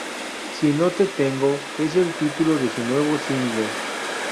Si No Te Tengo es el título de su nuevo single.